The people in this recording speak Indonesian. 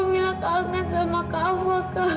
mila kangen sama kava kak